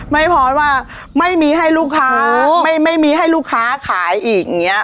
พลอยว่าไม่มีให้ลูกค้าไม่มีให้ลูกค้าขายอีกอย่างนี้